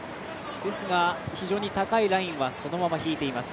非常に高いラインはそのまま引いています。